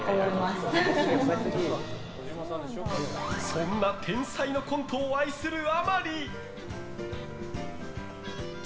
そんな天才のコントを愛するあまり。